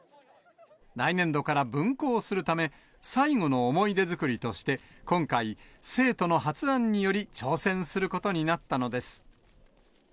来年度から分校するため、最後の思い出作りとして、今回、生徒の発案により、挑戦することになったのです。